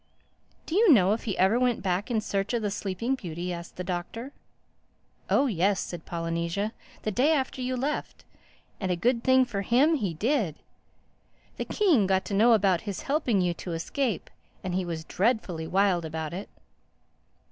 "Do you know if he ever went back in search of The Sleeping Beauty?" asked the Doctor. "Oh yes," said Polynesia—"the day after you left. And a good thing for him he did: the king got to know about his helping you to escape; and he was dreadfully wild about it."